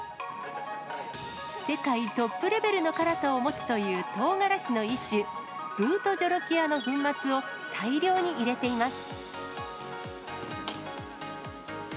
世界トップレベルの辛さを持つというとうがらしの一種、ブートジョロキアの粉末を、大量に入れています。